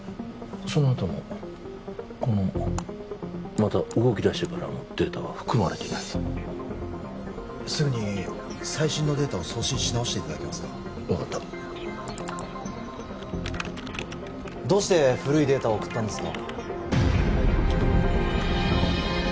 そのあとのこのまた動きだしてからのデータは含まれていないすぐに最新のデータを送信し直していただけますか分かったどうして古いデータを送ったんですか？